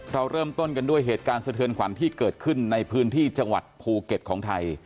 เราเริ่มต้นกันด้วยเหตุการณ์สะเทือนขวัญที่เกิดขึ้นในพื้นที่จังหวัดภูเก็ตของไทย